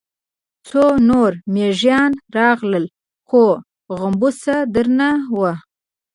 څو نور مېږيان راغلل، خو غومبسه درنه وه.